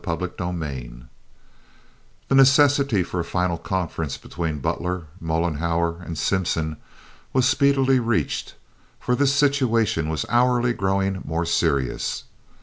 Chapter XXXII The necessity of a final conference between Butler, Mollenhauer, and Simpson was speedily reached, for this situation was hourly growing more serious.